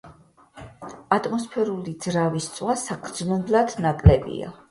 ატმოსფერული ძრავის წვა საგრძნობლად ნაკლებია.